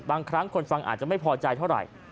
บางครั้งคนฟังอาจจะไม่พอใจเท่าไหร่